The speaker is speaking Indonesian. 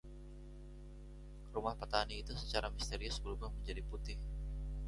Rumah petani itu secara misterius berubah menjadi putih.